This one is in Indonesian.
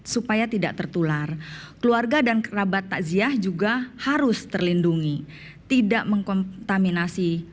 supaya tidak tertular keluarga dan kerabat takziah juga harus terlindungi tidak mengkontaminasi